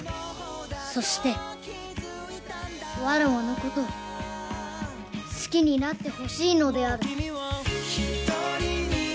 「そしてわらわのことすきになってほしいのである」